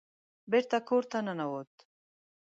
بېرته کور ته ننوت.